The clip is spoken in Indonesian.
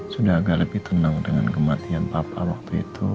sudah agak lebih tenang dengan kematian papa waktu itu